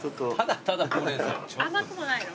甘くもないの？